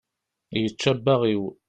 Yečča abbaɣ-iw.